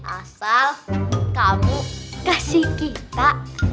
asal kamu kasih kita